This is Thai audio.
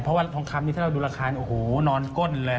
เพราะว่าทองคำนี้ถ้าเราดูราคาโอ้โหนอนก้นเลย